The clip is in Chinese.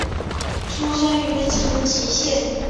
出身于长崎县。